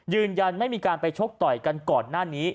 ยืนยันไม่มีการไปชกต่อยกันก่อนหน้านี้